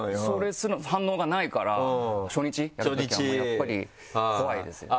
反応がないから初日やるときはやっぱり怖いですよね。